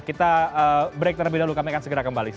kita break terlebih dahulu kami akan segera kembali